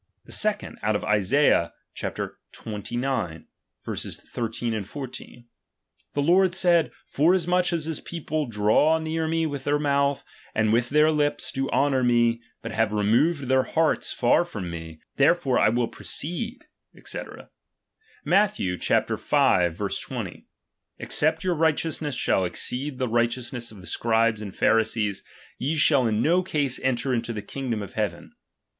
The second, out of Isaiah xxix. 13, 14 : The Lord said, forasmuch as this people draw near me with their mouth, and with their lips do honour me, hut have removed their hearts far from me, therefore I will proceed, &c. Matth. V. 20 : Except your righteousness shall exceed the righteousness of the Scribes and Pharisees, ye shall in no case enter into the kingdom of heaven.